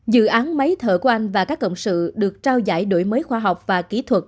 dự án máy thở của anh và các cộng sự được trao giải đổi mới khoa học và kỹ thuật